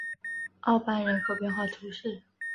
奥班人口变化图示